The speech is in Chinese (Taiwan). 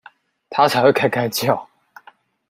他才會該該叫！